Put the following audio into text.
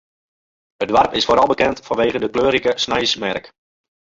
It doarp is foaral bekend fanwege de kleurrike sneinsmerk.